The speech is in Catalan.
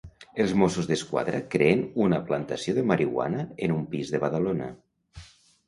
Els Mossos d'Esquadra creen una plantació de marihuana en un pis de Badalona.